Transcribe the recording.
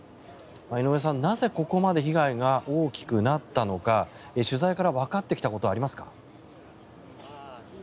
井上さん、なぜここまで被害が大きくなったのか取材からわかってきたことはありますか？